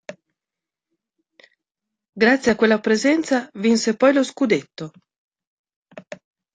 Grazie a quella presenza vinse poi lo scudetto.